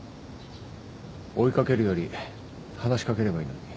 追い掛けるより話し掛ければいいのに。